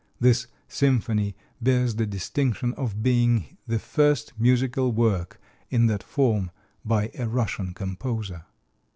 This symphony bears the distinction of being the first musical work in that form by a Russian composer.